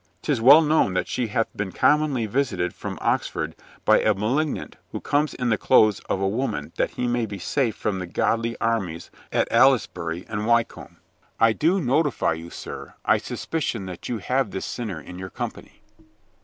" 'Tis well known that she hath been commonly visited from Oxford by a malignant who comes in the clothes of a woman that he may be safe from the godly armies at Aylesbury and Wycombe. I do notify you, sir, I 28 COLONEL GREATHEART suspicion that you have this sinner in your com pany."